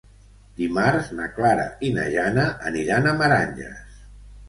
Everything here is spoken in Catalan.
Dimarts na Clara i na Jana aniran a Meranges.